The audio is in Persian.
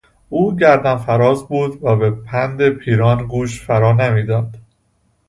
او گردنفراز بود و به پند پیران گوش فرا نمیداد.